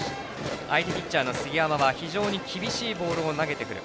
相手ピッチャーの杉山は非常に厳しいボールを投げてくる。